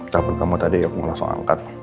telepon kamu tadi aku langsung angkat